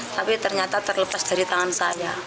tapi ternyata terlepas dari tangan saya